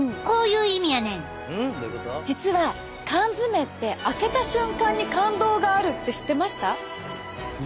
実は缶詰って開けた瞬間に感動があるって知ってました？